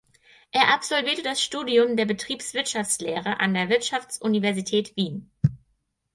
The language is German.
Er absolvierte das Studium der Betriebswirtschaftslehre an der Wirtschaftsuniversität Wien.